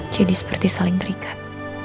jadi seperti saling terikat